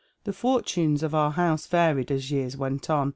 " The fortunes of our house varied as years went on.